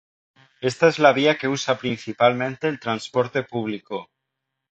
Esta es la vía que usa principalmente el transporte público.